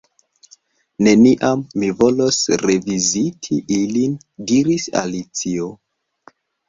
"Neniam mi volos reviziti ilin " diris Alicio.